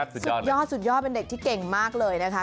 สุดยอดสุดยอดเป็นเด็กที่เก่งมากเลยนะคะ